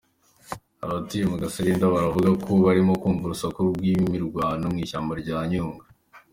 Abatuye mu Gasarenda baravuga barimo kumva urusaku rw’imirwano mu ishyamba rya Nyungwe.